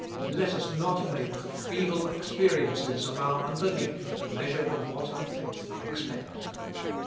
Let us not make the feeble experiences of our unbe lief the measure of what our faith may expect.